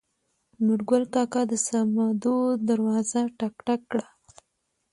نورګل کاکا د سمدو دروازه ټک ټک کړه.